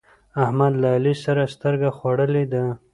احمد له علي سره سترګه خوړلې ده.